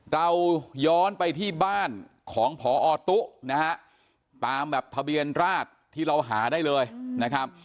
เราย้อนไปที่บ้านของพอตุ๊นะฮะตามแบบทะเบียนราชที่เราหาได้เลยนะครับ